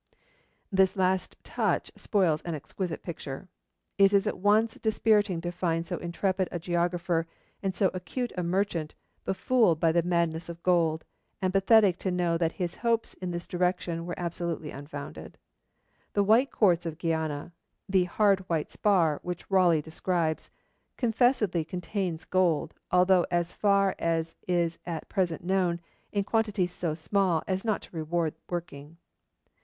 The last touch spoils an exquisite picture. It is at once dispiriting to find so intrepid a geographer and so acute a merchant befooled by the madness of gold, and pathetic to know that his hopes in this direction were absolutely unfounded. The white quartz of Guiana, the 'hard white spar' which Raleigh describes, confessedly contains gold, although, as far as is at present known, in quantities so small as not to reward working.